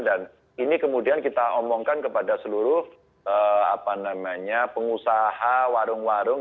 dan ini kemudian kita omongkan kepada seluruh pengusaha warung warung